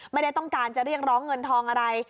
ไม่ได้ต้องการจะเรียกร้องเงินทองอะไร